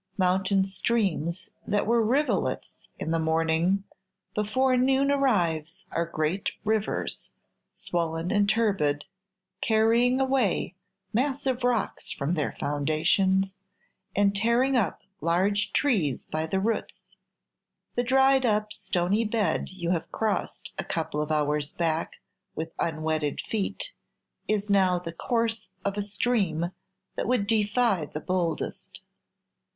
Mountain streams that were rivulets in the morning, before noon arrives are great rivers, swollen and turbid, carrying away massive rocks from their foundations, and tearing up large trees by the roots. The dried up stony bed you have crossed a couple of hours back with unwetted feet is now the course of a stream that would defy the boldest.